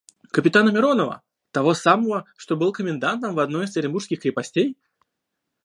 – Капитана Миронова! того самого, что был комендантом в одной из оренбургских крепостей?